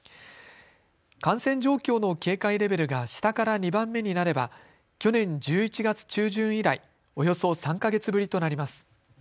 感染状況の警戒レベルが下から２番目になれば去年１１月中旬以来およそ３か月ぶりとなります。